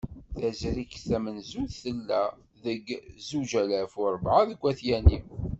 Tazrigt tamenzut, tella deg zuǧ alaf u rebεa deg At Yanni.